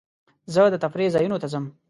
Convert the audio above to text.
زه د تفریح ځایونو ته ځم.